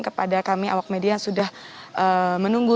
kepada kami awak media yang sudah menunggu